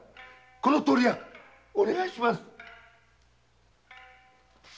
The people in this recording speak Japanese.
このとおりやお願いします！